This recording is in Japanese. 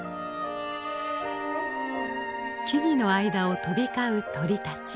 木々の間を飛び交う鳥たち。